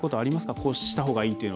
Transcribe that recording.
こうしたほうがいいとか。